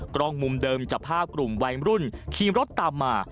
กล้องมุมเดิมจับภาพกลุ่มวัยรุ่นขี่รถตามมา